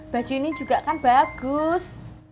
baju ini juga kan bagus